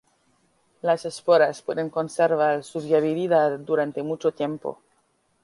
Las esporas pueden conservar su viabilidad durante mucho tiempo.